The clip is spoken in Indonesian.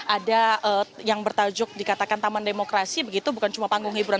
ada yang bertajuk dikatakan taman demokrasi begitu bukan cuma panggung hiburan